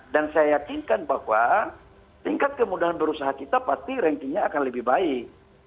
dan saya yakinkan bahwa tingkat kemudahan berusaha kita pasti rankingnya akan lebih baik